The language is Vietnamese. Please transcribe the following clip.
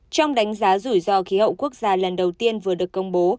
trong đánh giá rủi ro khí hậu quốc gia lần đầu tiên vừa được công bố